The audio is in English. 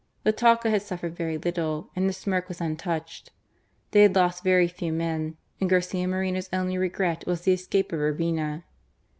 The Talca had suffered very little, and the Smyrk was untouched. They had lost very few men; and Garcia Moreno's only regret was the escape of Urbina.